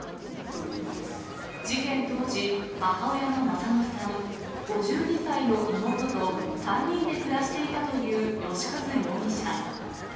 事件当時、母親のマサノさん、５２歳の妹と、３人で暮らしていたという良和容疑者。